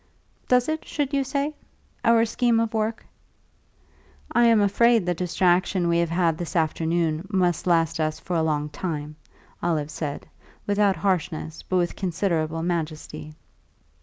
"Does it, should you say our scheme of work?" "I am afraid the distraction we have had this afternoon must last us for a long time," Olive said, without harshness, but with considerable majesty.